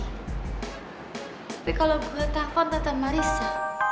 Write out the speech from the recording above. tapi kalau gue telfon tante marissa